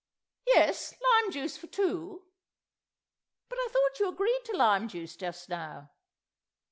... Yes, lime juice for two. ... But I thought you agreed to lime juice just now?